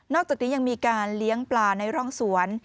จากนี้ยังมีการเลี้ยงปลาในร่องสวน